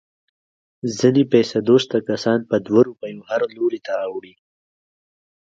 ځنې پیسه دوسته کسان په دوه روپیو هر لوري ته اوړي.